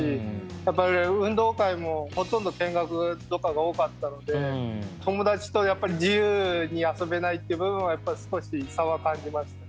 やっぱり運動会もほとんど見学とかが多かったので友達とやっぱり自由に遊べないっていう部分はやっぱり少し差は感じました。